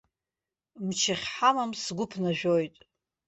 Мчы ахьҳамам сгәы ԥнажәоит.